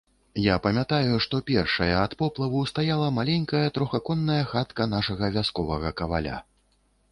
Я памятаю, што першая ад поплаву стаяла маленькая трохаконная хатка нашага вясковага каваля.